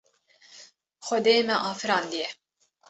Xwedê me afirandiye.